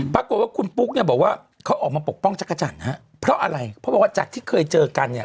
ปรากฏว่าคุณปุ๊กเนี่ยบอกว่าเขาออกมาปกป้องจักรจันทร์ฮะเพราะอะไรเพราะบอกว่าจากที่เคยเจอกันเนี่ย